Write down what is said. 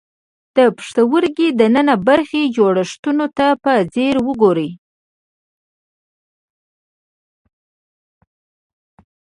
د پښتورګي دننۍ برخې جوړښتونو ته په ځیر وګورئ.